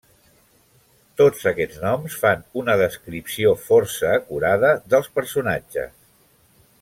Tots aquests noms fan una descripció força acurada dels personatges.